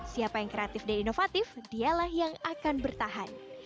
siapa yang kreatif dan inovatif dialah yang akan bertahan